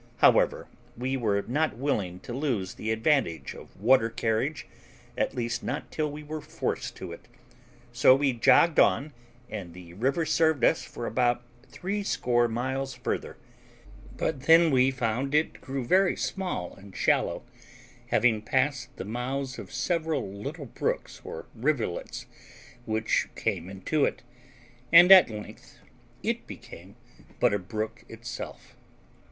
However, we were not willing to lose the advantage of water carriage, at least not till we were forced to it; so we jogged on, and the river served us for about threescore miles further; but then we found it grew very small and shallow, having passed the mouths of several little brooks or rivulets which came into it; and at length it became but a brook itself.